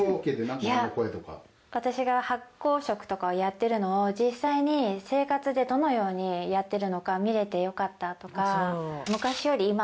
私が発酵食とかをやってるのを実際に生活でどのようにやってるのか見れてよかったとか。